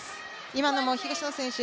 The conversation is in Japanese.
今のも東野選手